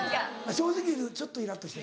正直に言うちょっとイラっとした。